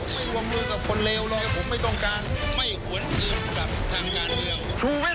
บางทีไม่ประเศษ